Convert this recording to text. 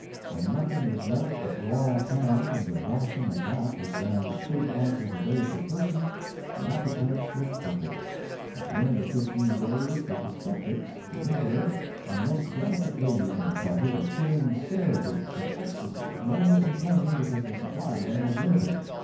When nothing was left but raw ham and the ration of that was down to two ounces a day per person, the appetites were perfect. At the end of fifteen days the dyspeptics, the invalid, and the most delicate ladies in the party were chewing sailor boots in ecstasy, and only complaining because the supply of them was limited.